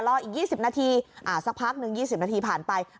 รออีกยี่สิบนาทีอ่ะซักพักนึงยี่สิบนาทีผ่านไป